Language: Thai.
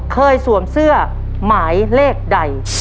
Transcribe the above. สวมเสื้อหมายเลขใด